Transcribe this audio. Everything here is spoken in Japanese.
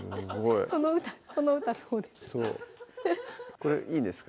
これいいんですか？